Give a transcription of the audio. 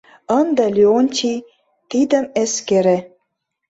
— Ынде, Леонтий, тидым эскере.